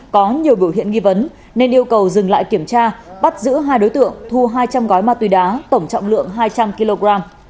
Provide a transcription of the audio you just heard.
có nhiều biểu hiện nghi vấn nên yêu cầu dừng lại kiểm tra bắt giữ hai đối tượng thu hai trăm linh gói ma túy đá tổng trọng lượng hai trăm linh kg